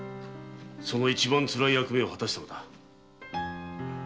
その一番つらい役目を果たしたのだ。